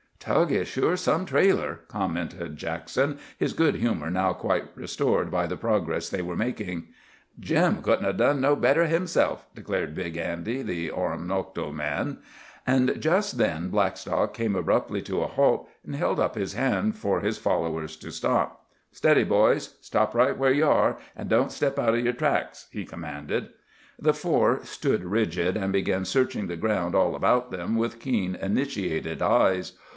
"Tug is sure some trailer," commented Jackson, his good humour now quite restored by the progress they were making. "Jim couldn't 'a' done no better himself," declared Big Andy, the Oromocto man. And just then Blackstock came abruptly to a halt, and held up his hand for his followers to stop. "Steady, boys. Stop right where ye are, an' don't step out o' yer tracks," he commanded. The four stood rigid, and began searching the ground all about them with keen, initiated eyes.